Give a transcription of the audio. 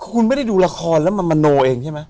คุณไม่ได้ดูละครแล้วมันมโนเองใช่ไหม